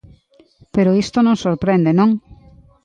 Pero isto non sorprende, non?